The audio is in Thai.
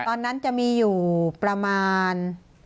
ตอนนั้นจะมีอยู่ประมาณ